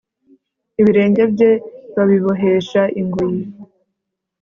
ibirenge bye babibohesha ingoyi